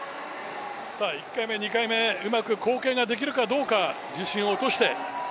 １回目、２回目、うまく後傾ができるかどうか、重心を落として。